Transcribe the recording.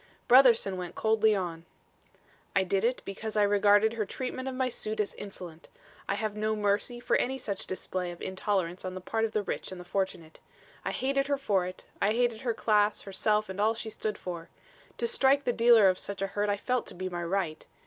Brotherson went coldly on: "I did it because I regarded her treatment of my suit as insolent. I have no mercy for any such display of intolerance on the part of the rich and the fortunate. I hated her for it; I hated her class, herself and all she stood for. To strike the dealer of such a hurt I felt to be my right.